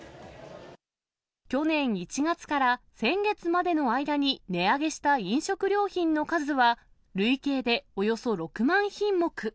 去年１月から先月までの間に値上げした飲食料品の数は、累計でおよそ６万品目。